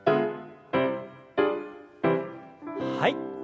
はい。